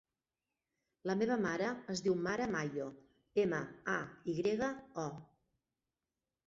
La meva mare es diu Mara Mayo: ema, a, i grega, o.